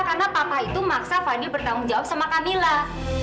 karena papa itu maksa fadil bertanggung jawab sama kamilah